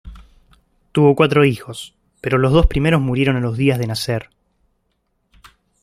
Tuvo cuatro hijos, pero los dos primeros murieron a los días de nacer.